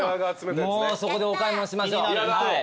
もうそこでお買い物しましょう。